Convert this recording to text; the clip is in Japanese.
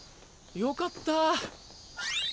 よかった